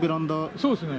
そうですね。